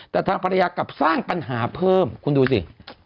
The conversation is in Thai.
แต่ทางภรรยากลับสร้างปัญหาเพิ่มคุณดูสิ